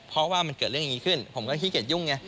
เพราะว่ามันเกิดเรื่องอย่างนี้ขึ้นผมก็ขี้เกียจยุ่งไง